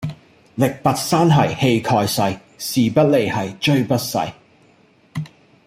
力拔山兮氣蓋世，時不利兮騅不逝